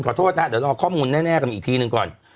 ขอโทษนะเดี๋ยวรอข้อมูลแน่กันอีกทีหนึ่งก่อน